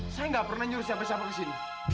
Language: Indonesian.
saya gak pernah nyuruh siapa siapa kesini